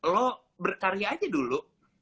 lo berkarya aja dulu